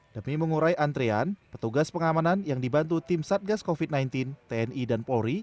demi mengurai antrean petugas pengamanan yang dibantu tim satgas covid sembilan belas tni dan polri